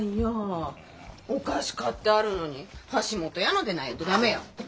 お菓子買ってあるのに橋本屋のでないと駄目やって。